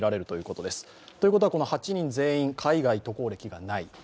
ということは８人全員、海外渡航歴がない。